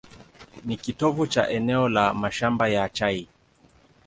Ni kitovu cha eneo la mashamba ya chai.